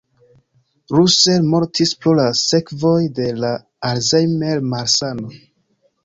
Russell mortis pro la sekvoj de la Alzheimer-malsano.